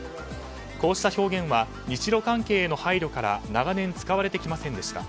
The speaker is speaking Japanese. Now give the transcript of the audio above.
こうした表現は日露関係への配慮から長年使われてきませんでした。